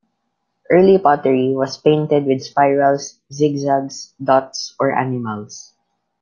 Early pottery was painted with spirals, zigzags, dots, or animals.